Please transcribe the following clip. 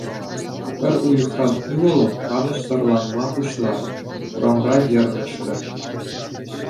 Пӗр уйӑхран ывӑлӑм канӑҫсӑрланма пуҫларӗ, урамра йӗрмӗшрӗ.